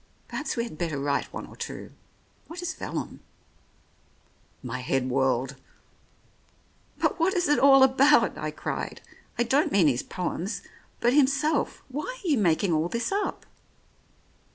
Perhaps we had better write one or two. What is vellum ?" My head whirled. " But what is it all about ?" I cried. " I don't mean his poems, but himself. Why are you making all this up?"